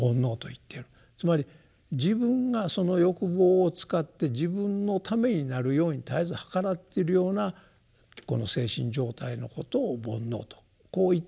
つまり自分がその欲望を使って自分のためになるように絶えず計らってるようなこの精神状態のことを煩悩とこう言ってるんだと思いますね。